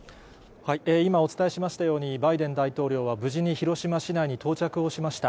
今お伝えしましたように、バイデン大統領は無事に広島市内に到着をしました。